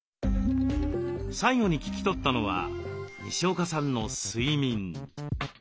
最後に聞き取ったのはにしおかさんの睡眠。